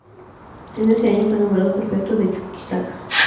En ese año fue nombrado prefecto de Chuquisaca.